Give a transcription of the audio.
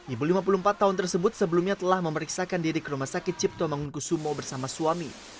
ibu lima puluh empat tahun tersebut sebelumnya telah memeriksakan diri ke rumah sakit cipto mangunkusumo bersama suami